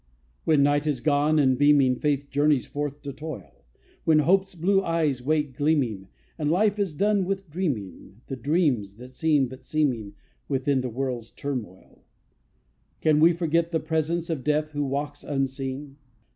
When night is gone and, beaming, Faith journeys forth to toil; When hope's blue eyes wake gleaming, And life is done with dreaming The dreams that seem but seeming, Within the world's turmoil: Can we forget the presence Of death who walks unseen?